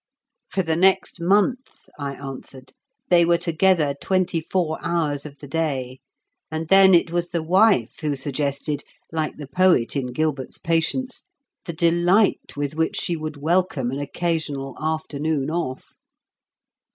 "For the next mouth," I answered, "they were together twenty four hours of the day. And then it was the wife who suggested, like the poet in Gilbert's Patience, the delight with which she would welcome an occasional afternoon off."